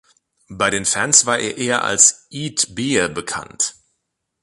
Bei den Fans war er eher als „Ete“ Beer bekannt.